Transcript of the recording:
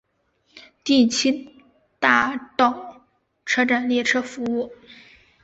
第七大道车站列车服务。